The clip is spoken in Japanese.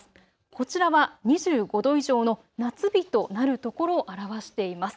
こちらは２５度以上の夏日となる所を表しています。